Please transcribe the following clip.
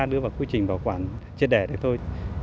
đưa vào quá trình bảo quản triệt đẻ thôi